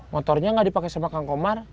motornya nggak dipakai sama kang komar